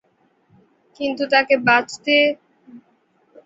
কিন্তু তাকে বাঁচাতে যাওয়া।